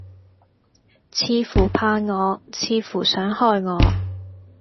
似乎怕我，似乎想害我。